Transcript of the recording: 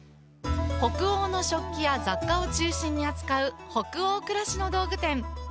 北欧の食器や雑貨を中心に扱う北欧、暮らしの道具店。